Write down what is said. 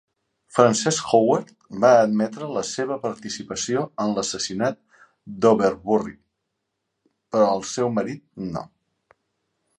Frances Howard va admetre la seva participació en l'assassinat d'Overbury, però el seu marit, no.